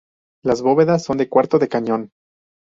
Las bóvedas son de cuarto de cañón.